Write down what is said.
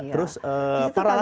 terus para layak